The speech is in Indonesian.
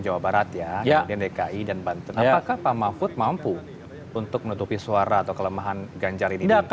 apakah pak mahfud mampu untuk menutupi suara atau kelemahan gajar ini